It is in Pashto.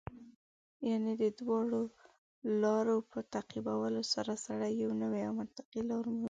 یعنې د دواړو لارو په تعقیبولو سره سړی یوه نوې او منطقي لار مومي.